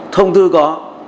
thông thư có